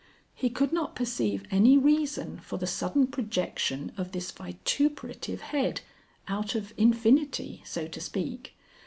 He could not perceive any reason for the sudden projection of this vituperative head, out of infinity, so to speak.